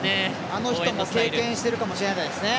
あの人も経験してるかもしれないですね